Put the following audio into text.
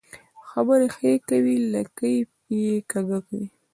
خبري ښې کوې ، لکۍ يې کږۍ کوې.